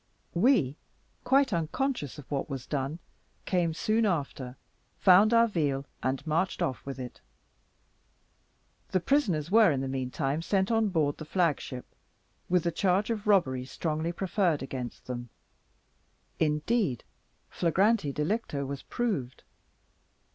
We, quite unconscious of what was done, came soon after, found our veal, and marched off with it. The prisoners were in the meantime sent on board the flag ship, with the charge of robbery strongly preferred against them; indeed, flagrante delicto was proved.